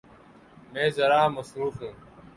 میں ذرا مصروف ہوں۔